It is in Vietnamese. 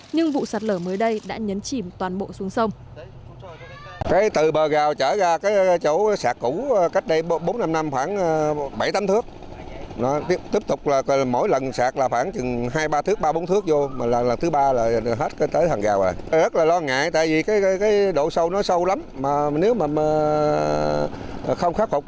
nhưng vụ sạt lở mới đây đã nhấn chìm toàn bộ xuống sông